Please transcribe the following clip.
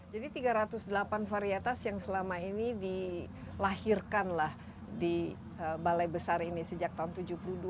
tiga ratus delapan varietas yang selama ini dilahirkan lah di balai besar ini sejak tahun seribu sembilan ratus tujuh puluh dua